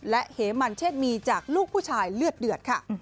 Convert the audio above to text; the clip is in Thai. และเหมันเชษมีจากลูกผู้ชายเลือดเดือดค่ะ